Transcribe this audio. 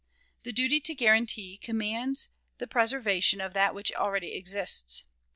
The duty to guarantee commands the preservation of that which already exists.